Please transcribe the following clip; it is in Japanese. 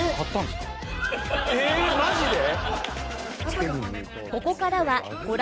ええマジで？